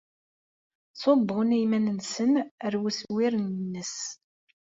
Ttṣubbun iman-nsen ar weswir-ines.